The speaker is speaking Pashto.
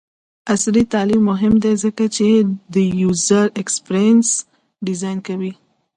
عصري تعلیم مهم دی ځکه چې د یوزر ایکسپیرینس ډیزاین کوي.